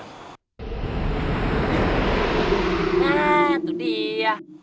nah itu dia